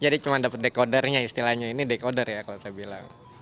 jadi cuma dapet dekodernya istilahnya ini dekoder ya kalau saya bilang